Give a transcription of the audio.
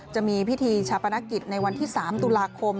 จะมีพิธีชาปนกิจในวันที่๓ตุลาคม